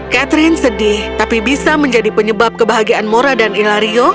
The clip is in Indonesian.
catherine sedih tapi bisa menjadi penyebab kebahagiaan mora dan ilario